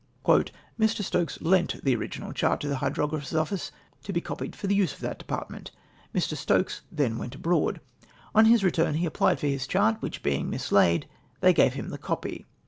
" Mr. Stokes lent the original chart to the Hydrographer's office, to be copied for the use of that department. " Mr. Stokes then went abroad. "On his return he applied for his chart, which being mislaid they gave him the co])y.